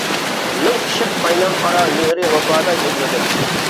مىڭ ئىشق قاينام ئارا مېھرى-ۋاپادا يىغلىدىم.